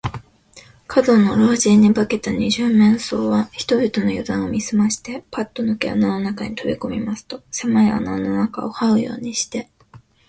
門野老人に化けた二十面相は、人々のゆだんを見すまして、パッとぬけ穴の中にとびこみますと、せまい穴の中をはうようにして、